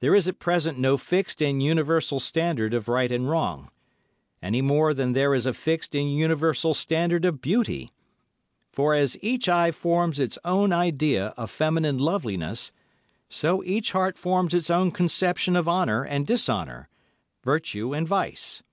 There is at present no fixed and universal standard of right and wrong, any more than there is a fixed and universal standard of beauty—for as each eye forms its own idea of feminine loveliness, so each heart forms its own conception of honour and dishonour, virtue and vice.